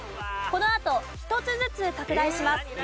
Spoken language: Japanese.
このあと１つずつ拡大します。